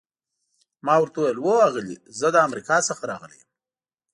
ما ورته وویل: هو آغلې، زه له امریکا څخه راغلی یم.